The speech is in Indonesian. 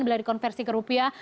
bila dikonversi ke rupiah